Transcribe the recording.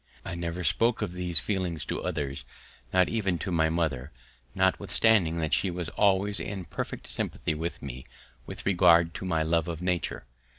I never spoke of these feelings to others, not even to my mother, notwithstanding that she was always in perfect sympathy with me with regard to my love of nature.